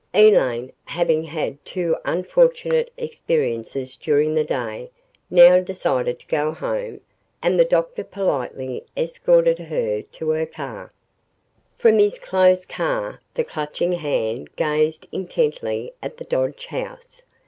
Elaine, having had two unfortunate experiences during the day, now decided to go home and the doctor politely escorted her to her car. ........ From his closed car, the Clutching Hand gazed intently at the Dodge house.